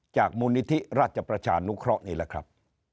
มูลนิธิราชประชานุเคราะห์นี่แหละครับ